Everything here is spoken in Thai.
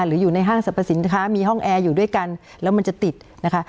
หรืออยู่ในห้างสรรพสินค้ามีห้องแอร์อยู่ด้วยกันแล้วมันจะติดนะคะ